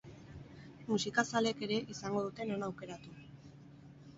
Musikazaleek ere izango dute non aukeratu.